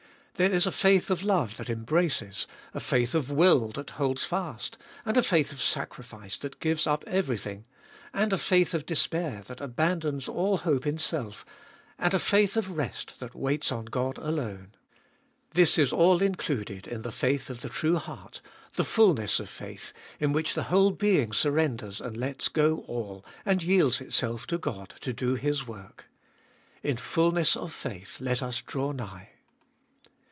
There is a faith of love that embraces, a faith of will that holds fast, and a faith of sacri fice that gives up everything, and a faith of despair that abandons all hope in self, and a faith of rest that waits on God alone. This is all included in the faith of the true heart, the fulness of faith, in which the whole being surrenders and lets go all, and yields itself to God to do His work. In fulness of faith let us draw nigh.